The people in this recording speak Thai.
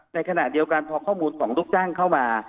ในขณะเดียวกันพอข้อมูลของลูกจ้างเข้ามา